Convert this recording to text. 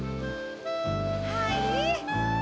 はい。